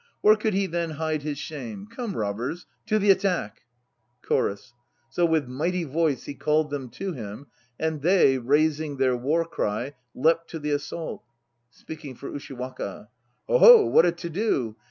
Where could he then hide his shame? Come, robbers, to the attack! CHORUS. So with mighty voice he called them to him, and they, raising their war cry, leapt to the assauit. (Speaking for USHIWAKA.) "Hoho! What a to do!